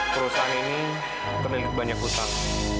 perusahaan ini terlilis banyak usang